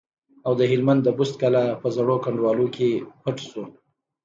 او د هلمند د بست کلا په زړو کنډوالو کې پټ شو.